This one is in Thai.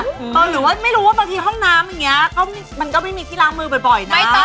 หรือว่าไม่รู้ว่าบางทีห้องน้ำอย่างนี้มันก็ไม่มีที่ล้างมือบ่อยนะ